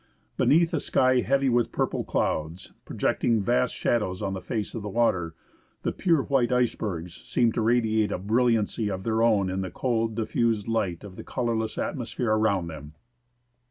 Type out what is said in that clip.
Beneath a sky heavy with purple clouds, projecting vast shadows on the face of the water, the pure white icebergs seem to radiate a brilliancy of their own in the cold, diffused light of the colourless atmosphere around them.